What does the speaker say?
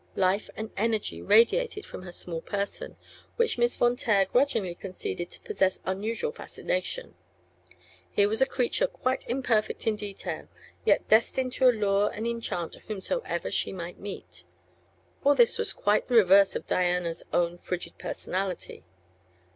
Life and energy radiated from her small person, which Miss Von Taer grudgingly conceded to possess unusual fascination. Here was a creature quite imperfect in detail, yet destined to allure and enchant whomsoever she might meet. All this was quite the reverse of Diana's own frigid personality.